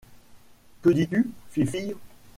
Que dis-tu, fifille ?